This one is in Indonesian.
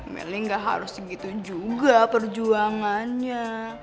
melly gak harus segitu juga perjuangannya